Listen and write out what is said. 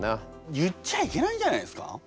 言っちゃいけないんじゃないですか？